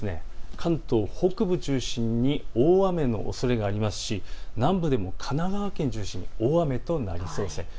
関東北部中心に大雨のおそれがありますし南部でも神奈川県を中心に大雨となりそうです。